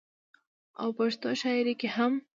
او پښتو شاعرۍ کې هم